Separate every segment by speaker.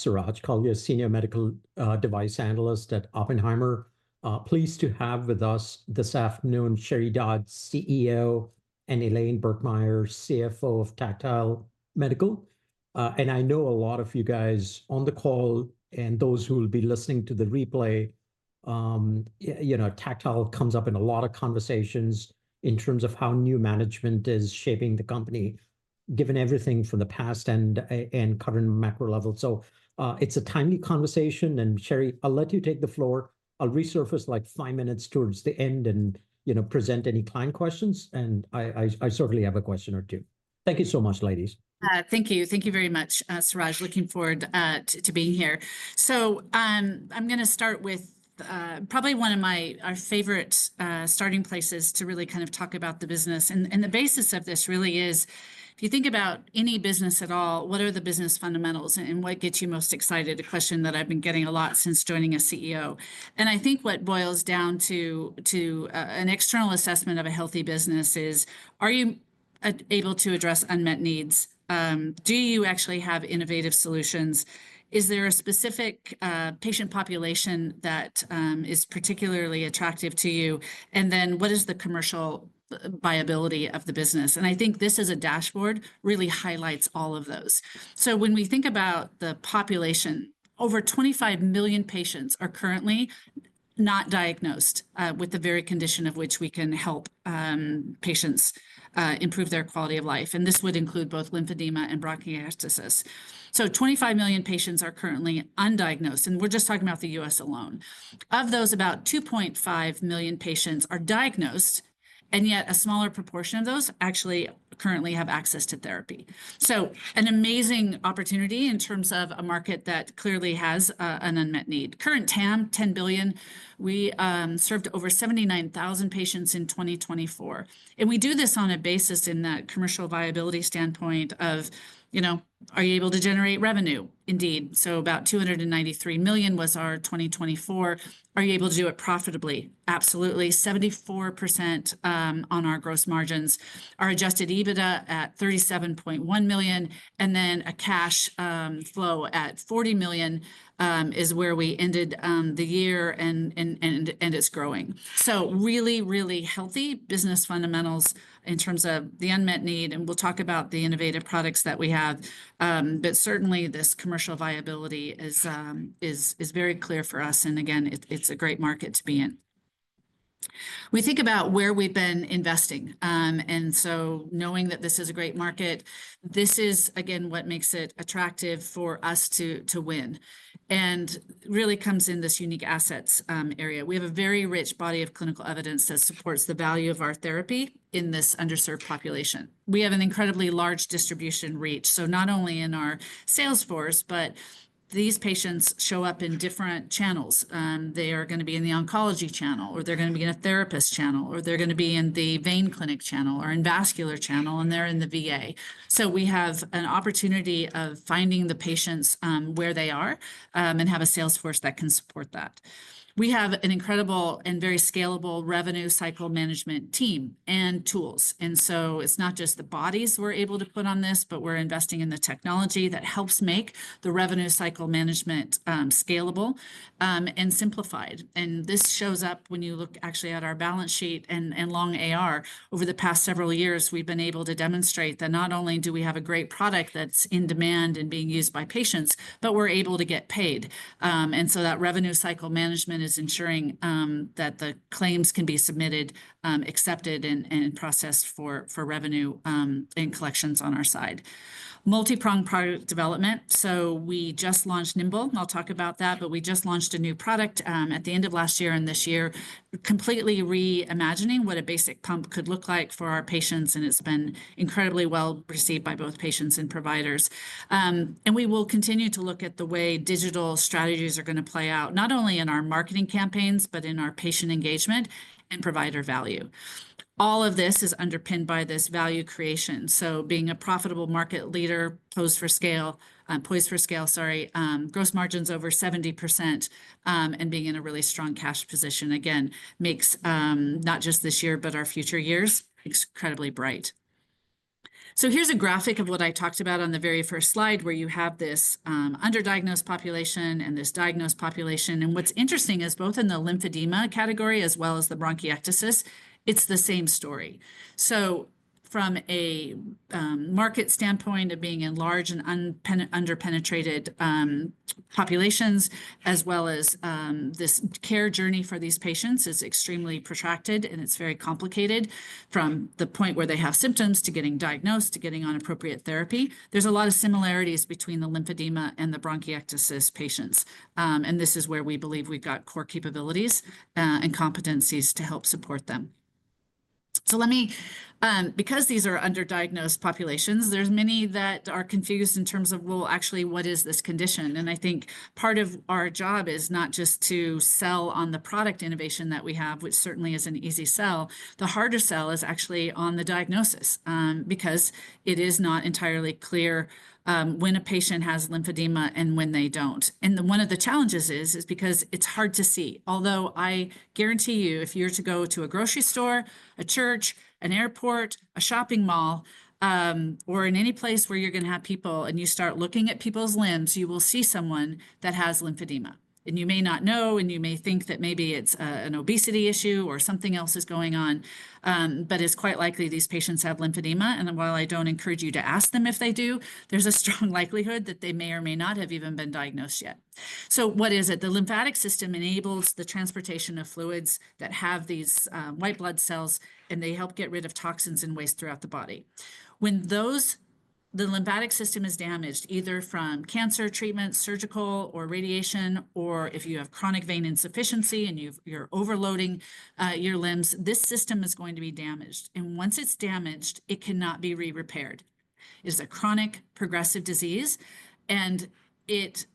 Speaker 1: Suraj Kalia, a Senior Medical Device Analyst at Oppenheimer. Pleased to have with us this afternoon, Sheri Dodd, CEO, and Elaine Birkemeyer, CFO of Tactile Medical. I know a lot of you guys on the call and those who will be listening to the replay, you know, Tactile comes up in a lot of conversations in terms of how new management is shaping the company, given everything from the past and current macro level. It is a timely conversation. Sheri, I'll let you take the floor. I'll resurface like five minutes towards the end and, you know, present any client questions. I certainly have a question or two. Thank you so much, ladies.
Speaker 2: Thank you. Thank you very much, Suraj. Looking forward to being here. I'm going to start with probably one of our favorite starting places to really kind of talk about the business. The basis of this really is, if you think about any business at all, what are the business fundamentals and what gets you most excited? A question that I've been getting a lot since joining as CEO. I think what boils down to an external assessment of a healthy business is, are you able to address unmet needs? Do you actually have innovative solutions? Is there a specific patient population that is particularly attractive to you? What is the commercial viability of the business? I think this as a dashboard really highlights all of those. When we think about the population, over 25 million patients are currently not diagnosed with the very condition of which we can help patients improve their quality of life. This would include both lymphedema and bronchiectasis. Twenty-five million patients are currently undiagnosed. We are just talking about the U.S. alone. Of those, about 2.5 million patients are diagnosed, and yet a smaller proportion of those actually currently have access to therapy. An amazing opportunity in terms of a market that clearly has an unmet need. Current TAM, $10 billion. We served over 79,000 patients in 2024. We do this on a basis in that commercial viability standpoint of, you know, are you able to generate revenue? Indeed. About $293 million was our 2024. Are you able to do it profitably? Absolutely. 74% on our gross margins, our adjusted EBITDA at $37.1 million. A cash flow at $40 million is where we ended the year, and it's growing. Really, really healthy business fundamentals in terms of the unmet need. We'll talk about the innovative products that we have. Certainly, this commercial viability is very clear for us. Again, it's a great market to be in. We think about where we've been investing. Knowing that this is a great market, this is what makes it attractive for us to win. It really comes in this unique assets area. We have a very rich body of clinical evidence that supports the value of our therapy in this underserved population. We have an incredibly large distribution reach. Not only in our sales force, but these patients show up in different channels. They are going to be in the oncology channel, or they're going to be in a therapist channel, or they're going to be in the vein clinic channel or in vascular channel, and they're in the VA. We have an opportunity of finding the patients where they are and have a sales force that can support that. We have an incredible and very scalable revenue cycle management team and tools. It is not just the bodies we're able to put on this, but we're investing in the technology that helps make the revenue cycle management scalable and simplified. This shows up when you look actually at our balance sheet and long AR. Over the past several years, we've been able to demonstrate that not only do we have a great product that's in demand and being used by patients, but we're able to get paid. That revenue cycle management is ensuring that the claims can be submitted, accepted, and processed for revenue and collections on our side. Multi-pronged product development. We just launched Nimbl. I'll talk about that. We just launched a new product at the end of last year and this year, completely reimagining what a basic pump could look like for our patients. It has been incredibly well received by both patients and providers. We will continue to look at the way digital strategies are going to play out, not only in our marketing campaigns, but in our patient engagement and provider value. All of this is underpinned by this value creation. Being a profitable market leader, poised for scale, gross margins over 70%, and being in a really strong cash position, again, makes not just this year, but our future years incredibly bright. Here is a graphic of what I talked about on the very first slide, where you have this underdiagnosed population and this diagnosed population. What is interesting is both in the lymphedema category as well as the bronchiectasis, it is the same story. From a market standpoint of being in large and underpenetrated populations, as well as this care journey for these patients, it is extremely protracted, and it is very complicated from the point where they have symptoms to getting diagnosed to getting on appropriate therapy. There are a lot of similarities between the lymphedema and the bronchiectasis patients. This is where we believe we have got core capabilities and competencies to help support them. Let me, because these are underdiagnosed populations, there's many that are confused in terms of, well, actually, what is this condition? I think part of our job is not just to sell on the product innovation that we have, which certainly is an easy sell. The harder sell is actually on the diagnosis because it is not entirely clear when a patient has lymphedema and when they don't. One of the challenges is, is because it's hard to see. Although I guarantee you, if you were to go to a grocery store, a church, an airport, a shopping mall, or in any place where you're going to have people and you start looking at people's limbs, you will see someone that has lymphedema. You may not know, and you may think that maybe it's an obesity issue or something else is going on, but it's quite likely these patients have lymphedema. While I don't encourage you to ask them if they do, there's a strong likelihood that they may or may not have even been diagnosed yet. What is it? The lymphatic system enables the transportation of fluids that have these white blood cells, and they help get rid of toxins and waste throughout the body. When the lymphatic system is damaged, either from cancer treatment, surgical or radiation, or if you have chronic vein insufficiency and you're overloading your limbs, this system is going to be damaged. Once it's damaged, it cannot be repaired. It's a chronic progressive disease, and it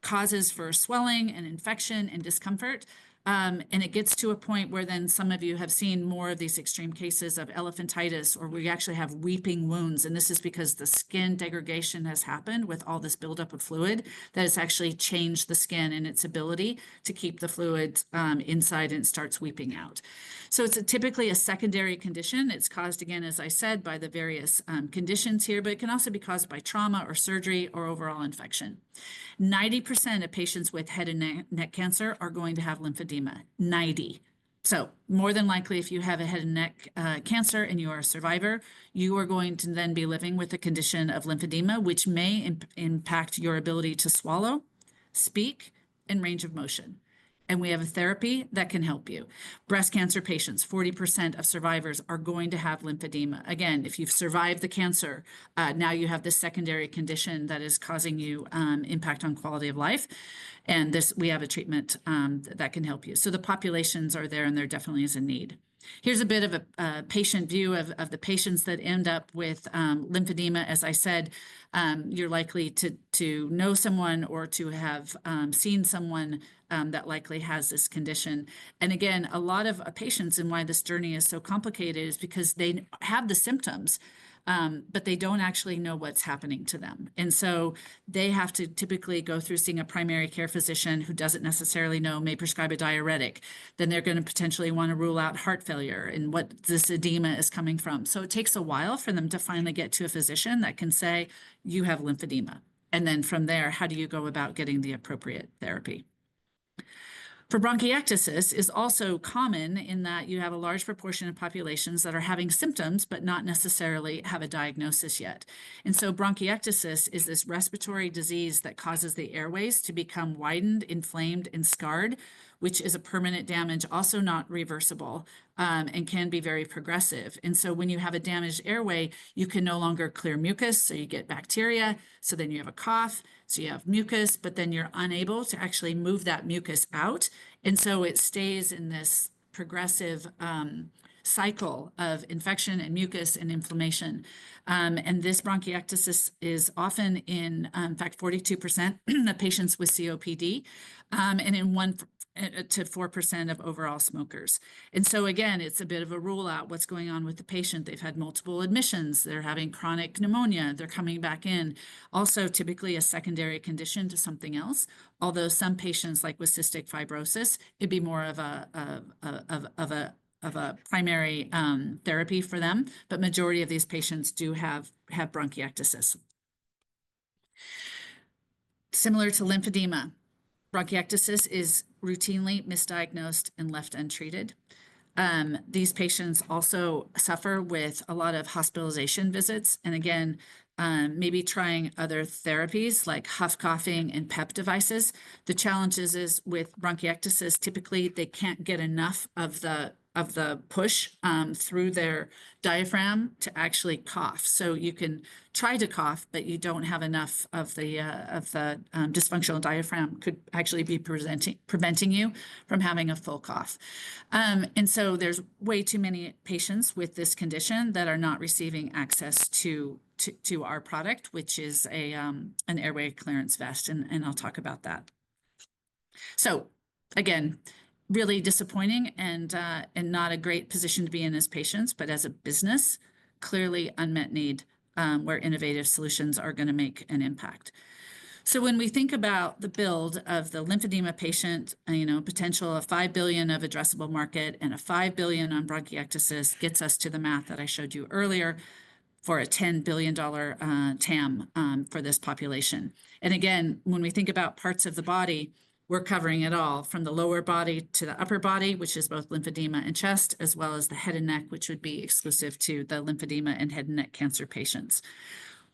Speaker 2: causes swelling and infection and discomfort. It gets to a point where some of you have seen more of these extreme cases of elephantiasis, or we actually have weeping wounds. This is because the skin degradation has happened with all this buildup of fluid that has actually changed the skin and its ability to keep the fluid inside and starts weeping out. It is typically a secondary condition. It is caused, again, as I said, by the various conditions here, but it can also be caused by trauma or surgery or overall infection. 90% of patients with head and neck cancer are going to have lymphedema. 90%. More than likely, if you have a head and neck cancer and you are a survivor, you are going to then be living with a condition of lymphedema, which may impact your ability to swallow, speak, and range of motion. We have a therapy that can help you. Breast cancer patients, 40% of survivors are going to have lymphedema. If you've survived the cancer, now you have this secondary condition that is causing you impact on quality of life. We have a treatment that can help you. The populations are there, and there definitely is a need. Here's a bit of a patient view of the patients that end up with lymphedema. As I said, you're likely to know someone or to have seen someone that likely has this condition. A lot of patients, and why this journey is so complicated, is because they have the symptoms, but they don't actually know what's happening to them. They have to typically go through seeing a primary care physician who doesn't necessarily know, may prescribe a diuretic. They are going to potentially want to rule out heart failure and what this edema is coming from. It takes a while for them to finally get to a physician that can say, you have lymphedema. From there, how do you go about getting the appropriate therapy? For bronchiectasis, it is also common in that you have a large proportion of populations that are having symptoms, but not necessarily have a diagnosis yet. Bronchiectasis is this respiratory disease that causes the airways to become widened, inflamed, and scarred, which is a permanent damage, also not reversible, and can be very progressive. When you have a damaged airway, you can no longer clear mucus. You get bacteria. You have a cough. You have mucus, but then you are unable to actually move that mucus out. It stays in this progressive cycle of infection and mucus and inflammation. This bronchiectasis is often in, in fact, 42% of patients with COPD and in 1%-4% of overall smokers. Again, it's a bit of a rule out what's going on with the patient. They've had multiple admissions. They're having chronic pneumonia. They're coming back in. Also, typically a secondary condition to something else. Although some patients, like with cystic fibrosis, it'd be more of a primary therapy for them. The majority of these patients do have bronchiectasis. Similar to lymphedema, bronchiectasis is routinely misdiagnosed and left untreated. These patients also suffer with a lot of hospitalization visits. Again, maybe trying other therapies like huff coughing and PEP devices. The challenge is with bronchiectasis, typically they can't get enough of the push through their diaphragm to actually cough. You can try to cough, but you don't have enough of the dysfunctional diaphragm could actually be preventing you from having a full cough. There are way too many patients with this condition that are not receiving access to our product, which is an airway clearance vest. I'll talk about that. Again, really disappointing and not a great position to be in as patients, but as a business, clearly unmet need where innovative solutions are going to make an impact. When we think about the build of the lymphedema patient, you know, potential of $5 billion of addressable market and a $5 billion on bronchiectasis gets us to the math that I showed you earlier for a $10 billion TAM for this population. When we think about parts of the body, we're covering it all from the lower body to the upper body, which is both lymphedema and chest, as well as the head and neck, which would be exclusive to the lymphedema and head and neck cancer patients.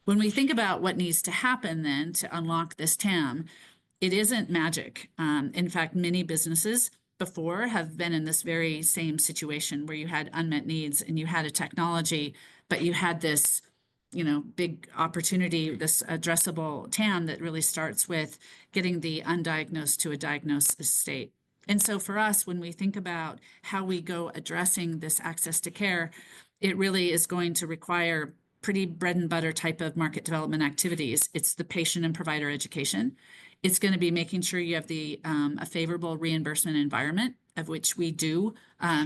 Speaker 2: When we think about what needs to happen then to unlock this TAM, it isn't magic. In fact, many businesses before have been in this very same situation where you had unmet needs and you had a technology, but you had this, you know, big opportunity, this addressable TAM that really starts with getting the undiagnosed to a diagnosed state. For us, when we think about how we go addressing this access to care, it really is going to require pretty bread and butter type of market development activities. It's the patient and provider education. It's going to be making sure you have a favorable reimbursement environment, of which we do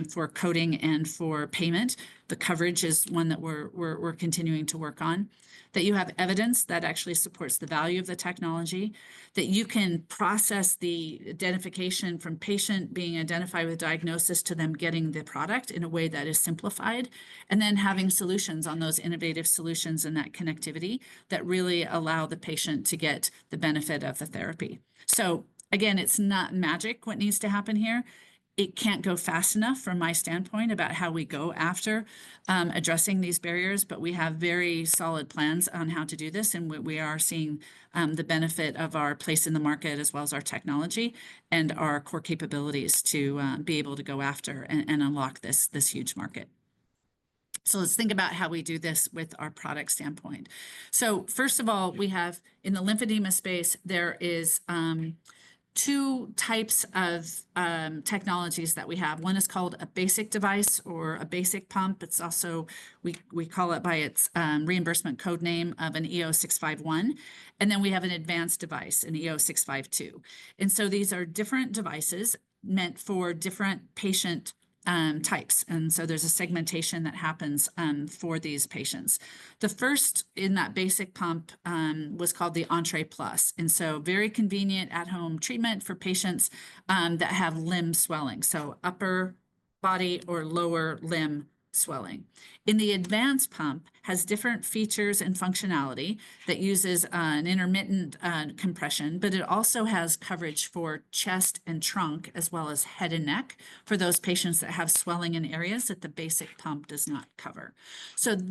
Speaker 2: for coding and for payment. The coverage is one that we're continuing to work on. That you have evidence that actually supports the value of the technology, that you can process the identification from patient being identified with diagnosis to them getting the product in a way that is simplified, and then having solutions on those innovative solutions and that connectivity that really allow the patient to get the benefit of the therapy. Again, it's not magic what needs to happen here. It can't go fast enough from my standpoint about how we go after addressing these barriers, but we have very solid plans on how to do this. We are seeing the benefit of our place in the market as well as our technology and our core capabilities to be able to go after and unlock this huge market. Let's think about how we do this with our product standpoint. First of all, we have in the lymphedema space, there are two types of technologies that we have. One is called a basic device or a basic pump. We also call it by its reimbursement code name of an E0651. Then we have an advanced device, an E0652. These are different devices meant for different patient types. There is a segmentation that happens for these patients. The first in that basic pump was called the Entre Plus. It is a very convenient at-home treatment for patients that have limb swelling, so upper body or lower limb swelling. In the advanced pump, it has different features and functionality that uses an intermittent compression, but it also has coverage for chest and trunk as well as head and neck for those patients that have swelling in areas that the basic pump does not cover.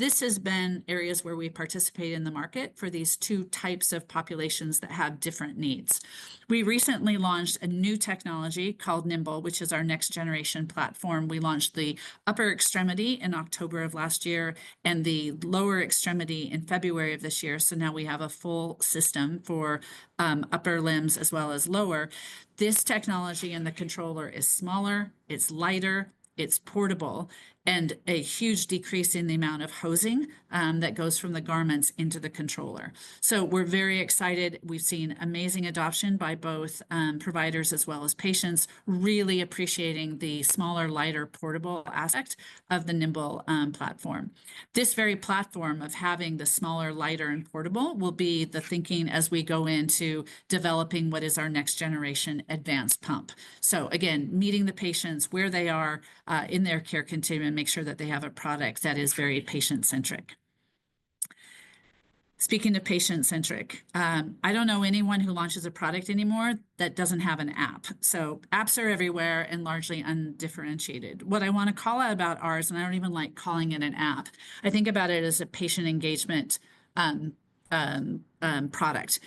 Speaker 2: This has been areas where we participate in the market for these two types of populations that have different needs. We recently launched a new technology called Nimbl, which is our next generation platform. We launched the upper extremity in October of last year and the lower extremity in February of this year. Now we have a full system for upper limbs as well as lower. This technology and the controller is smaller, it's lighter, it's portable, and a huge decrease in the amount of hosing that goes from the garments into the controller. We're very excited. We've seen amazing adoption by both providers as well as patients really appreciating the smaller, lighter, portable aspect of the Nimbl platform. This very platform of having the smaller, lighter, and portable will be the thinking as we go into developing what is our next generation advanced pump. Again, meeting the patients where they are in their care continuum and make sure that they have a product that is very patient-centric. Speaking of patient-centric, I don't know anyone who launches a product anymore that doesn't have an app. Apps are everywhere and largely undifferentiated. What I want to call out about ours, and I don't even like calling it an app, I think about it as a patient engagement product.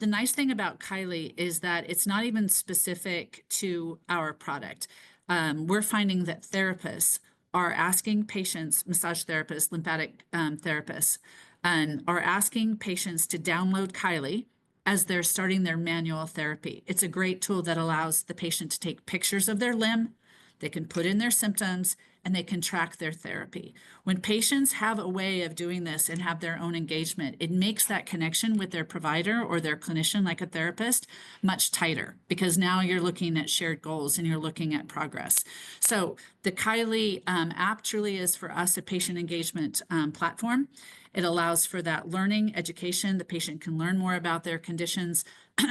Speaker 2: The nice thing about Kylee is that it's not even specific to our product. We're finding that therapists are asking patients, massage therapists, lymphatic therapists, and are asking patients to download Kylee as they're starting their manual therapy. It's a great tool that allows the patient to take pictures of their limb, they can put in their symptoms, and they can track their therapy. When patients have a way of doing this and have their own engagement, it makes that connection with their provider or their clinician, like a therapist, much tighter because now you're looking at shared goals and you're looking at progress. The Kylee app truly is for us a patient engagement platform. It allows for that learning education. The patient can learn more about their conditions,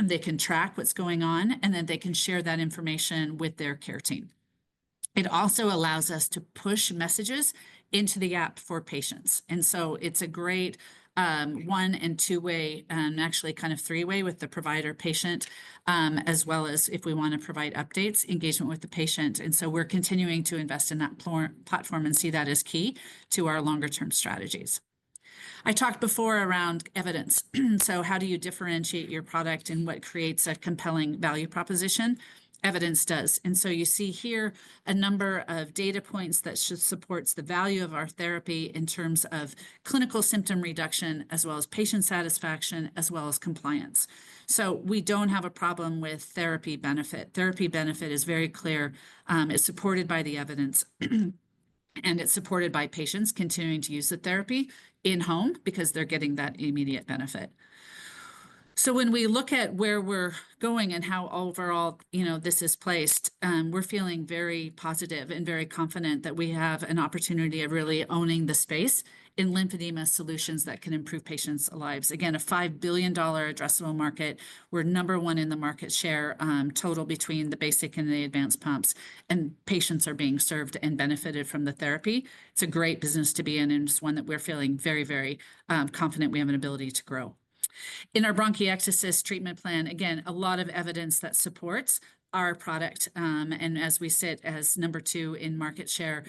Speaker 2: they can track what's going on, and then they can share that information with their care team. It also allows us to push messages into the app for patients. It's a great one and two-way and actually kind of three-way with the provider-patient, as well as if we want to provide updates, engagement with the patient. We're continuing to invest in that platform and see that as key to our longer-term strategies. I talked before around evidence. How do you differentiate your product and what creates a compelling value proposition? Evidence does. You see here a number of data points that support the value of our therapy in terms of clinical symptom reduction as well as patient satisfaction as well as compliance. We don't have a problem with therapy benefit. Therapy benefit is very clear. It's supported by the evidence, and it's supported by patients continuing to use the therapy in home because they're getting that immediate benefit. When we look at where we're going and how overall, you know, this is placed, we're feeling very positive and very confident that we have an opportunity of really owning the space in lymphedema solutions that can improve patients' lives. Again, a $5 billion addressable market. We're number one in the market share total between the basic and the advanced pumps, and patients are being served and benefited from the therapy. It's a great business to be in and it's one that we're feeling very, very confident we have an ability to grow. In our bronchiectasis treatment plan, again, a lot of evidence that supports our product. As we sit as number two in market share,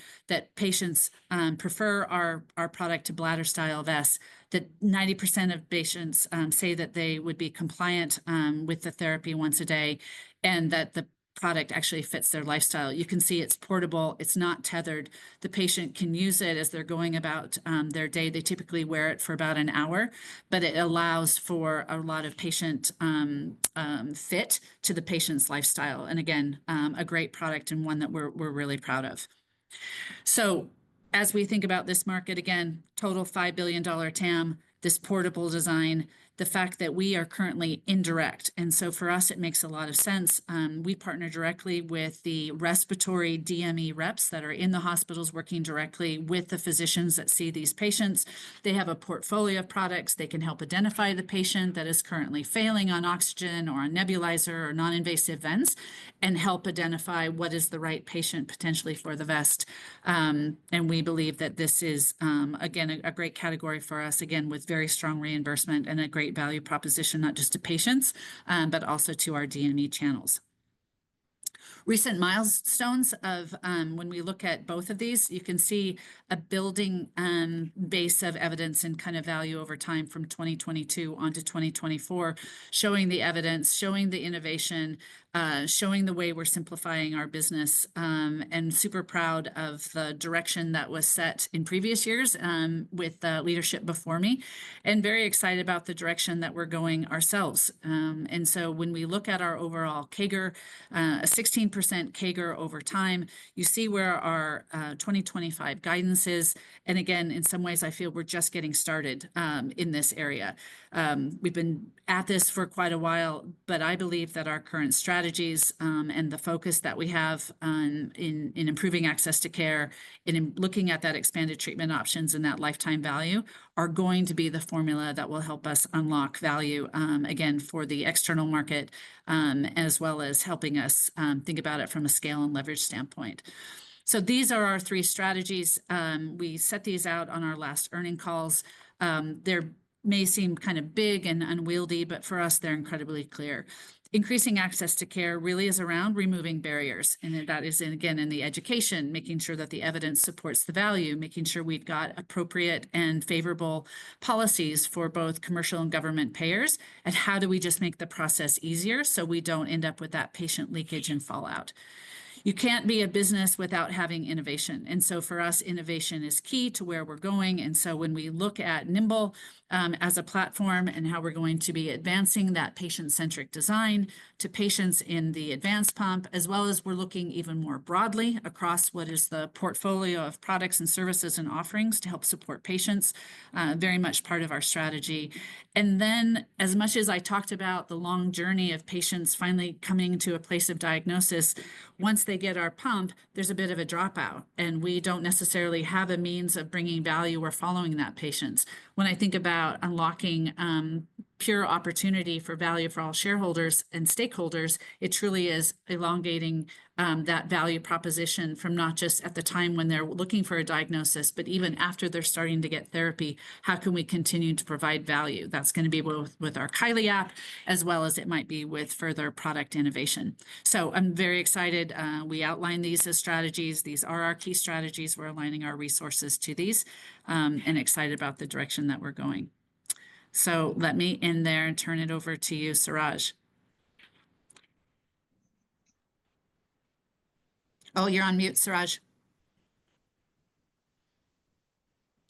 Speaker 2: patients prefer our product to bladder-style vest, that 90% of patients say that they would be compliant with the therapy once a day and that the product actually fits their lifestyle. You can see it's portable. It's not tethered. The patient can use it as they're going about their day. They typically wear it for about an hour, but it allows for a lot of patient fit to the patient's lifestyle. Again, a great product and one that we're really proud of. As we think about this market, total $5 billion TAM, this portable design, the fact that we are currently indirect. For us, it makes a lot of sense. We partner directly with the respiratory DME reps that are in the hospitals working directly with the physicians that see these patients. They have a portfolio of products. They can help identify the patient that is currently failing on oxygen or on nebulizer or non-invasive vents and help identify what is the right patient potentially for the vest. We believe that this is, again, a great category for us, again, with very strong reimbursement and a great value proposition, not just to patients, but also to our DME channels. Recent milestones of when we look at both of these, you can see a building base of evidence and kind of value over time from 2022 onto 2024, showing the evidence, showing the innovation, showing the way we're simplifying our business and super proud of the direction that was set in previous years with the leadership before me and very excited about the direction that we're going ourselves. When we look at our overall CAGR, a 16% CAGR over time, you see where our 2025 guidance is. In some ways, I feel we're just getting started in this area. We've been at this for quite a while, but I believe that our current strategies and the focus that we have in improving access to care and in looking at that expanded treatment options and that lifetime value are going to be the formula that will help us unlock value again for the external market as well as helping us think about it from a scale and leverage standpoint. These are our three strategies. We set these out on our last earning calls. They may seem kind of big and unwieldy, but for us, they're incredibly clear. Increasing access to care really is around removing barriers. That is, again, in the education, making sure that the evidence supports the value, making sure we've got appropriate and favorable policies for both commercial and government payers and how do we just make the process easier so we don't end up with that patient leakage and fallout. You can't be a business without having innovation. For us, innovation is key to where we're going. When we look at Nimbl as a platform and how we're going to be advancing that patient-centric design to patients in the advanced pump, as well as we're looking even more broadly across what is the portfolio of products and services and offerings to help support patients, very much part of our strategy. As much as I talked about the long journey of patients finally coming to a place of diagnosis, once they get our pump, there's a bit of a dropout and we don't necessarily have a means of bringing value or following that patients. When I think about unlocking pure opportunity for value for all shareholders and stakeholders, it truly is elongating that value proposition from not just at the time when they're looking for a diagnosis, but even after they're starting to get therapy, how can we continue to provide value? That's going to be both with our Kylee app as well as it might be with further product innovation. I am very excited. We outlined these as strategies. These are our key strategies. We're aligning our resources to these and excited about the direction that we're going. Let me end there and turn it over to you, Suraj. Oh, you're on mute, Suraj.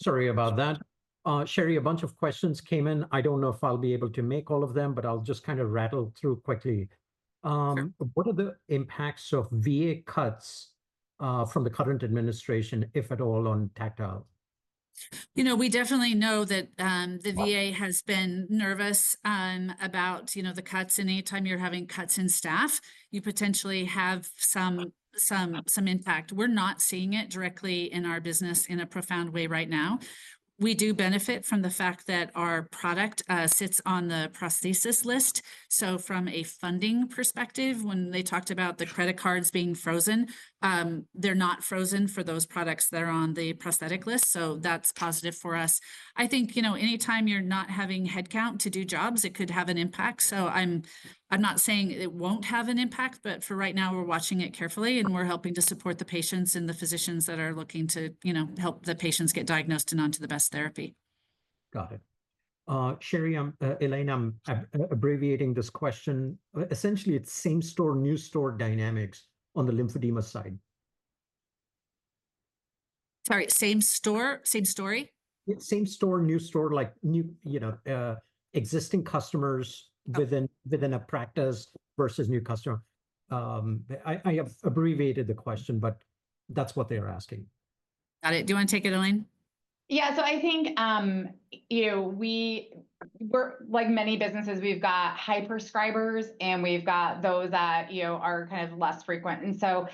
Speaker 1: Sorry about that. Sheri, a bunch of questions came in. I don't know if I'll be able to make all of them, but I'll just kind of rattle through quickly. What are the impacts of VA cuts from the current administration, if at all, on Tactile?
Speaker 2: You know, we definitely know that the VA has been nervous about, you know, the cuts. Anytime you're having cuts in staff, you potentially have some impact. We're not seeing it directly in our business in a profound way right now. We do benefit from the fact that our product sits on the prosthesis list. From a funding perspective, when they talked about the credit cards being frozen, they're not frozen for those products that are on the prosthetic list. That's positive for us. I think, you know, anytime you're not having headcount to do jobs, it could have an impact. I'm not saying it won't have an impact, but for right now, we're watching it carefully and we're helping to support the patients and the physicians that are looking to, you know, help the patients get diagnosed and on to the best therapy.
Speaker 1: Got it. Sheri, Elaine, I'm abbreviating this question. Essentially, it's same store, new store dynamics on the lymphedema side.
Speaker 2: Sorry, same store, same story?
Speaker 1: Same store, new store, like new, you know, existing customers within a practice versus new customer. I have abbreviated the question, but that's what they're asking.
Speaker 2: Got it. Do you want to take it, Elaine?
Speaker 3: Yeah. I think, you know, we're like many businesses, we've got high prescribers and we've got those that, you know, are kind of less frequent. You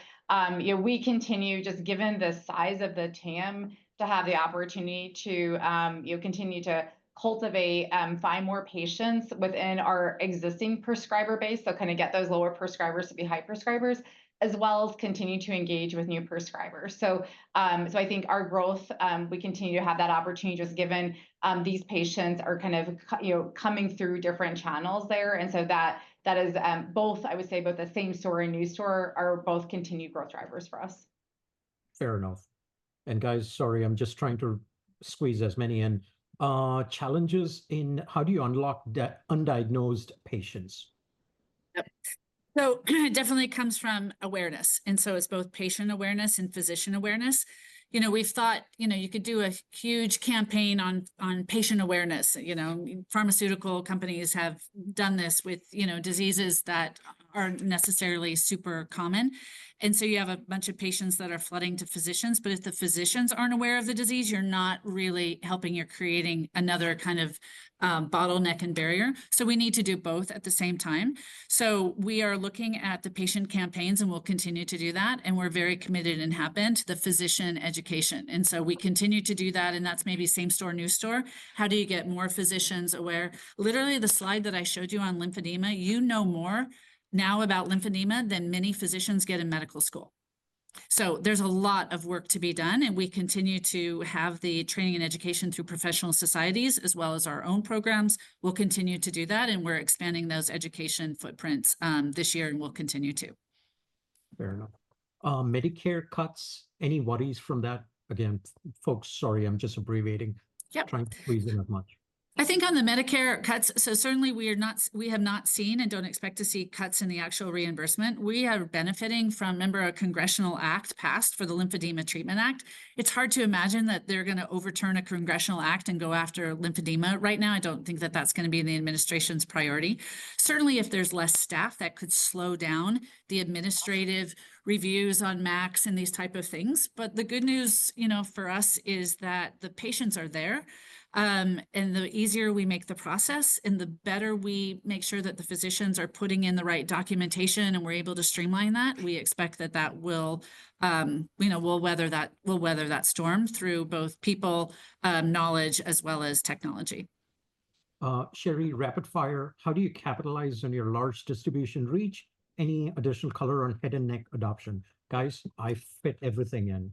Speaker 3: know, we continue just given the size of the TAM to have the opportunity to, you know, continue to cultivate, find more patients within our existing prescriber base, so kind of get those lower prescribers to be high prescribers, as well as continue to engage with new prescribers. I think our growth, we continue to have that opportunity just given these patients are kind of, you know, coming through different channels there. That is both, I would say both the same store and new store are both continued growth drivers for us.
Speaker 1: Fair enough. Guys, sorry, I'm just trying to squeeze as many in. Challenges in how do you unlock undiagnosed patients?
Speaker 2: It definitely comes from awareness. It is both patient awareness and physician awareness. You know, we've thought, you know, you could do a huge campaign on patient awareness. You know, pharmaceutical companies have done this with, you know, diseases that aren't necessarily super common. You have a bunch of patients that are flooding to physicians, but if the physicians aren't aware of the disease, you're not really helping. You're creating another kind of bottleneck and barrier. We need to do both at the same time. We are looking at the patient campaigns and we'll continue to do that. We're very committed and happen to the physician education. We continue to do that. That's maybe same store, new store. How do you get more physicians aware? Literally, the slide that I showed you on lymphedema, you know more now about lymphedema than many physicians get in medical school. There is a lot of work to be done. We continue to have the training and education through professional societies as well as our own programs. We'll continue to do that. We're expanding those education footprints this year and we'll continue to.
Speaker 1: Fair enough. Medicare cuts, anybody's from that? Again, folks, sorry, I'm just abbreviating. Yeah, trying to please as much.
Speaker 2: I think on the Medicare cuts, certainly we are not, we have not seen and don't expect to see cuts in the actual reimbursement. We are benefiting from, remember, a congressional act passed for the Lymphedema Treatment Act. It's hard to imagine that they're going to overturn a congressional act and go after lymphedema right now. I don't think that that's going to be the administration's priority. Certainly, if there's less staff, that could slow down the administrative reviews on MACs and these types of things. The good news, you know, for us is that the patients are there. The easier we make the process and the better we make sure that the physicians are putting in the right documentation and we're able to streamline that, we expect that that will, you know, we'll weather that, we'll weather that storm through both people, knowledge as well as technology. Sheri, rapid fire. How do you capitalize on your large distribution reach? Any additional color on head and neck adoption? Guys, I fit everything in.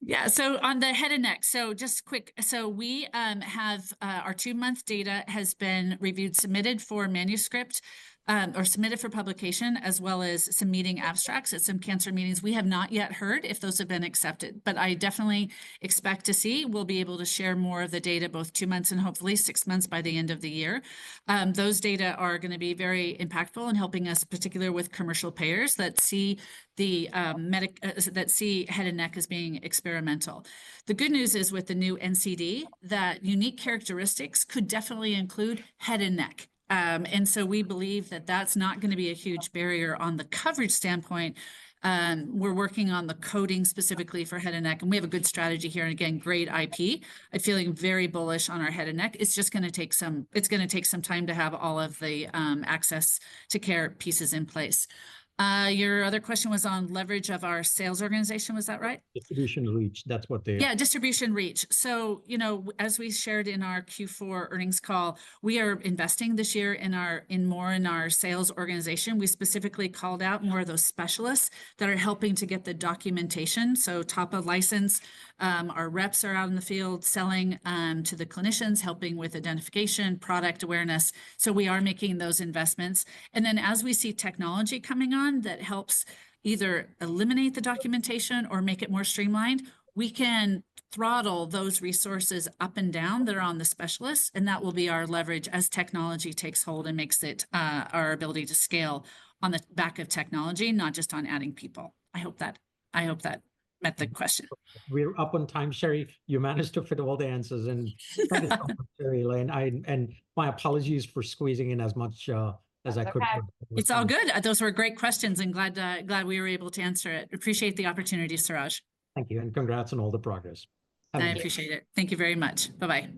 Speaker 2: Yeah. On the head and neck, just quick, our two-month data has been reviewed, submitted for manuscript or submitted for publication as well as some meeting abstracts at some cancer meetings. We have not yet heard if those have been accepted, but I definitely expect to see, we'll be able to share more of the data both two months and hopefully six months by the end of the year. Those data are going to be very impactful in helping us, particularly with commercial payers that see the, that see head and neck as being experimental. The good news is with the new NCD, that unique characteristics could definitely include head and neck. We believe that that's not going to be a huge barrier on the coverage standpoint. We're working on the coding specifically for head and neck, and we have a good strategy here. Again, great IP. I'm feeling very bullish on our head and neck. It's just going to take some, it's going to take some time to have all of the access to care pieces in place. Your other question was on leverage of our sales organization, was that right?
Speaker 1: Distribution reach, that's what they.
Speaker 2: Yeah, distribution reach. You know, as we shared in our Q4 Earnings Call, we are investing this year in our, in more in our sales organization. We specifically called out more of those specialists that are helping to get the documentation. Top of license, our reps are out in the field selling to the clinicians, helping with identification, product awareness. We are making those investments. As we see technology coming on that helps either eliminate the documentation or make it more streamlined, we can throttle those resources up and down that are on the specialists, and that will be our leverage as technology takes hold and makes it our ability to scale on the back of technology, not just on adding people. I hope that met the question.
Speaker 1: We're up on time, Sheri. You managed to fit all the answers and try to help, Sheri Dodd. My apologies for squeezing in as much as I could.
Speaker 2: It's all good. Those were great questions and glad we were able to answer it. Appreciate the opportunity, Suraj.
Speaker 1: Thank you. And congrats on all the progress.
Speaker 2: I appreciate it. Thank you very much. Bye-bye.